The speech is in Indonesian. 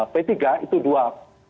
p tiga itu dua